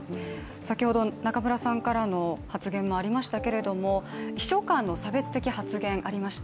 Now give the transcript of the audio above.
先ほど中村さんからの発言もありましたけれども秘書官の差別的発言ありました。